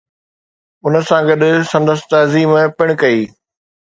ان سان گڏ سندس تعظيم پڻ ڪئي